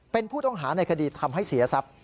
เป็นผู้ต้องหาในคดีทำให้เสียทรัพย